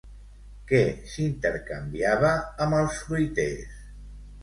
Què s'intercanviava amb els fruiters?